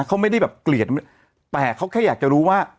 เขาไม่ได้แบบเกลียดแต่เขาแค่อยากจะรู้ว่า